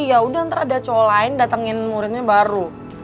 iya udah ntar ada cowok lain datengin muridnya baru